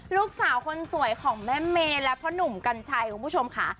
ลูกสาวคนสวยของแม่เมย์และพ่อหนุ่มกัญชัยคุณผู้ชมค่ะ